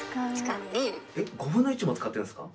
えっ５分の１も使ってるんですか？